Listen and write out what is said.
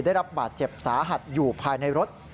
ได้รับบาดเจ็บสาหัสอยู่ภายในรถ